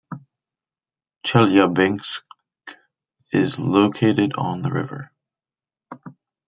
Chelyabinsk is located on the river.